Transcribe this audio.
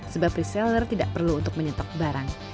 sebab reseller tidak perlu untuk menyetop barang